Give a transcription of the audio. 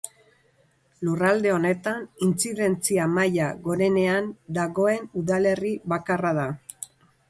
Lurralde honetan intzidentzia maila gorenean dagoen udalerri bakarra da.